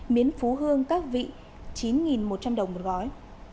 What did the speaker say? miến phú hương các vị chín một trăm linh đồng một gói